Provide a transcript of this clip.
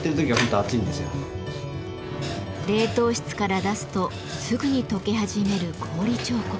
冷凍室から出すとすぐにとけ始める氷彫刻。